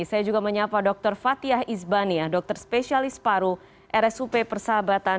saya juga menyapa dr fathia izbania dokter spesialis paru rsup persahabatan